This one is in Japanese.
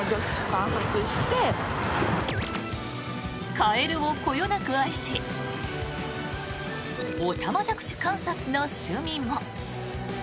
カエルをこよなく愛しオタマジャクシ観察の趣味も。